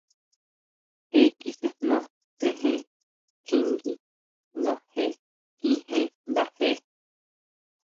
Je kisʼejna tsejen tjingui nga je kíjen ndáje.